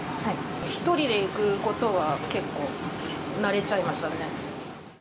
１人で行くことは結構慣れちゃいましたね。